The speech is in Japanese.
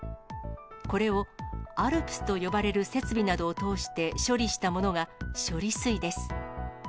これをＡＬＰＳと呼ばれる設備などを通して処理したものが、処理水です。